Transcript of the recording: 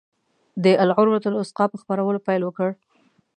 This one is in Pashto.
د العروة الوثقی په خپرولو پیل وکړ.